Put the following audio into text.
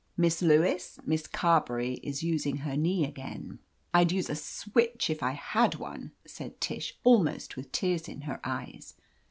Miss Lewis, Miss Carbeny is using her knee again !" "I'd use a switch if I had one," said Tish, almost with tears in her eyes.